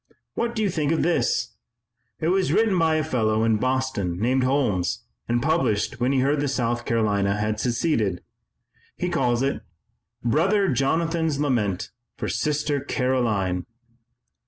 What do you think of this? It was written by a fellow in Boston named Holmes and published when he heard that South Carolina had seceded. He calls it: 'Brother Jonathan's Lament for Sister Caroline.'"